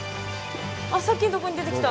あっさっきんとこに出てきた。